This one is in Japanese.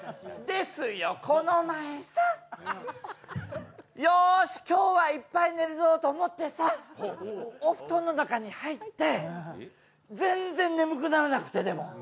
ですよ、この前さ、よーし、今日はいっぱい寝るぞと思って、お布団の中に入って、全然眠くならなくて、でも。